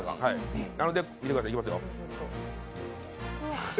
なので、見てください、いきますよ。